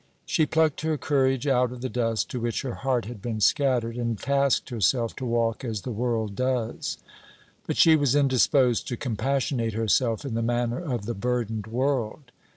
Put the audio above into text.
She plucked her courage out of the dust to which her heart had been scattered, and tasked herself to walk as the world does. But she was indisposed to compassionate herself in the manner of the burdened world.